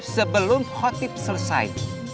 sebelum khotib selesai